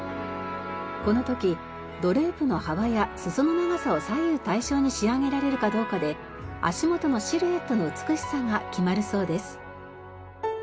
この時ドレープの幅や裾の長さを左右対称に仕上げられるかどうかで足元のシルエットの美しさが決まるそうです。